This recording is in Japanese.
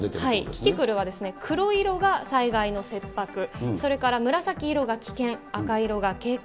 キキクルは黒色が災害の切迫、それから紫色が危険、赤色が警戒、